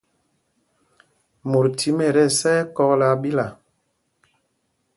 Mot thím ɛ tí ɛsá ɛkɔ̂k laa ɓila.